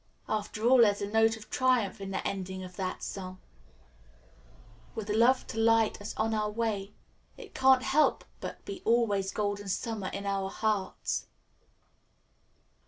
After all, there's a note of triumph in the ending of that song. With love to light us on our way, it can't help but be always Golden Summer in our hearts."